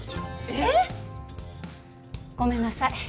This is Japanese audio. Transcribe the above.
えっ！？ごめんなさい。